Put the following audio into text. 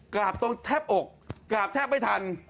กราบตรงแทบอกกราบแทบไม่ทัน